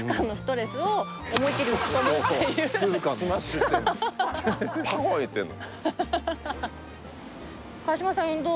スマッシュ打ってそうパコーンいってんの？